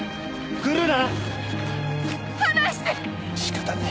来るな！